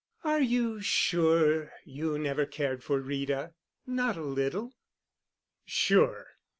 "Are you sure you never cared for Rita? Not a little?" "Sure."